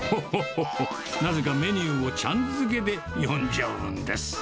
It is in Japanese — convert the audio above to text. なぜかメニューをちゃん付けで呼んじゃうんです。